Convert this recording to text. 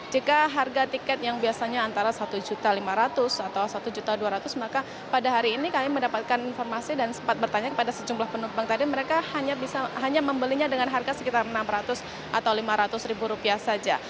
jika harga tiket yang biasanya antara satu lima ratus atau satu dua ratus maka pada hari ini kami mendapatkan informasi dan sempat bertanya kepada sejumlah penumpang tadi mereka hanya bisa hanya membelinya dengan harga sekitar enam ratus atau lima ratus rupiah saja